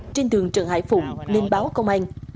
trên đường trần hải phụng lên báo công an